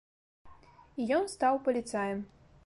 І ён стаў паліцаем.